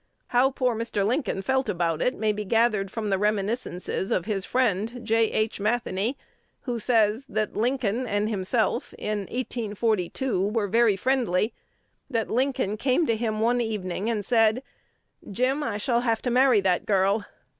How poor Mr. Lincoln felt about it, may be gathered from the reminiscences of his friend, J. H. Matheny, who says, "that Lincoln and himself, in 1842, were very friendly; that Lincoln came to him one evening and said, 'Jim, I shall have to marry that girl.'"